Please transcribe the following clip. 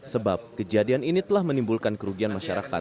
sebab kejadian ini telah menimbulkan kerugian masyarakat